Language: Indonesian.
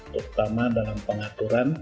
terutama dalam pengaturan